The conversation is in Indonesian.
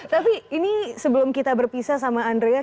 tapi ini sebelum kita berpisah sama andrea